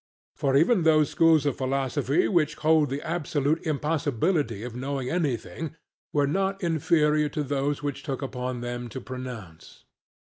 For even those schools of philosophy which held the absolute impossibility of knowing anything were not inferior to those which took upon them to pronounce.